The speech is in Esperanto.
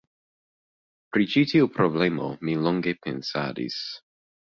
Pri ĉi tiu problemo mi longe pensadis.